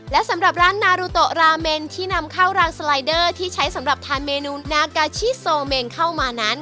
และสำหรับร้านนารุโตราเมนที่นำข้าวรางสไลเดอร์ที่ใช้สำหรับทานเมนูนากาชิโซเมนเข้ามานั้น